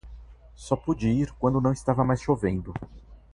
Só pude ir quando não estava mais chovendo